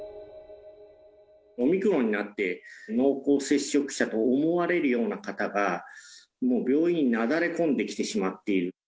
オミクロンになって、濃厚接触者と思われるような方が、もう病院になだれ込んできてしまっている。